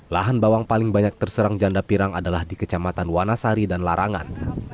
lahan bawang paling banyak terserang janda pirang adalah di kecamatan wanasari dan larangan